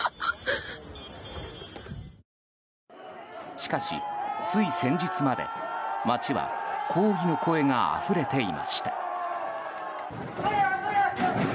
しかし、つい先日まで、街は抗議の声があふれていました。